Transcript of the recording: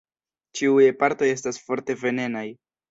Ĉiuj partoj estas forte venenaj.